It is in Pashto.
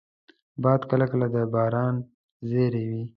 باد کله کله د باران زېری وي